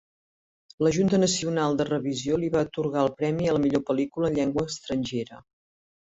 La Junta Nacional de Revisió li va atorgar el premi a la millor pel·lícula en llengua estrangera.